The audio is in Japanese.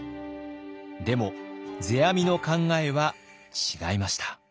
でも世阿弥の考えは違いました。